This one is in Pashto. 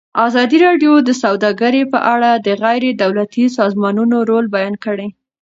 ازادي راډیو د سوداګري په اړه د غیر دولتي سازمانونو رول بیان کړی.